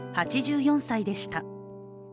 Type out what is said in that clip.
８４歳でした。